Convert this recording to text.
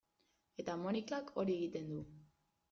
Eta Monikak hori egiten du.